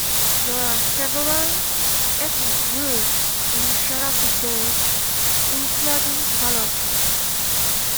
There are several ethnic groups in Sharafi Goth including Balochis.